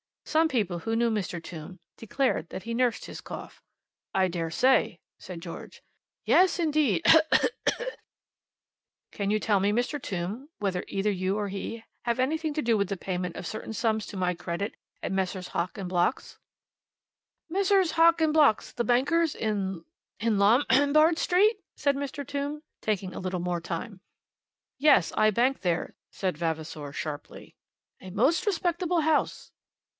Some people who knew Mr. Tombe declared that he nursed his cough. "I dare say," said George. "Yes, indeed, ugh ugh ugh." "Can you tell me, Mr. Tombe, whether either you or he have anything to do with the payment of certain sums to my credit at Messrs. Hock and Block's?" "Messrs. Hock and Block's, the bankers, in Lom bard Street?" said Mr. Tombe, taking a little more time. "Yes; I bank there," said Vavasor, sharply. "A most respectable house."